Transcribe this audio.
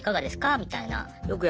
みたいな。